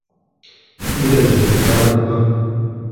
Къилэжьрэт ар абы?